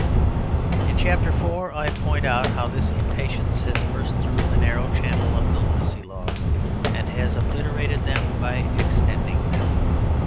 In chapter four I point out how this impatience has burst through the narrow channel of the Lunacy Laws, and has obliterated them by extending them.